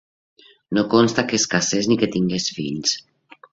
No consta que es casés ni que tingués fills.